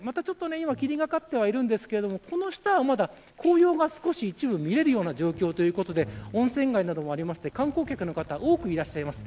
今、霧がかってはいますがこの下はまだ紅葉が一部見れるような状況ということで温泉街などもあって観光客が多くいらっしゃいます。